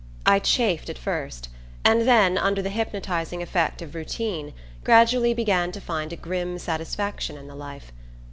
I chafed at first, and then, under the hypnotising effect of routine, gradually began to find a grim satisfaction in the life.